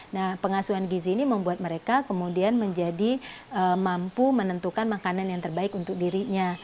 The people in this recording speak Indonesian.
nah pengasuhan gizi ini membuat mereka kemudian menjadi mampu menentukan makanan yang terbaik untuk dirinya